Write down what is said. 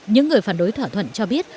những người phản đối thỏa thuận cho biết